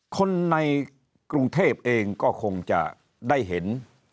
คนในกรุงเทพเองก็คงจะได้เห็น